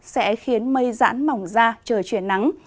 sẽ khiến mây dãn mỏng ra trời chuyển nắng